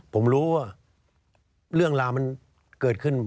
ผมรู้ว่าเรื่องราวมันเกิดขึ้น